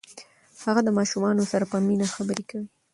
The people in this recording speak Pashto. هغه د ماشومانو سره په مینه خبرې کوي.